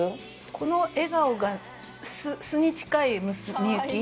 この笑顔が素に近い幸。